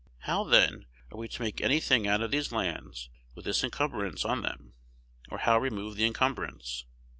How, then, are we to make any thing out of these lands with this encumbrance on them, or how remove the encumbrance?